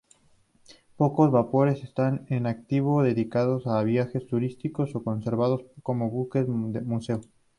Pocos vapores están en activo, dedicados a viajes turísticos, o conservados como buques museo.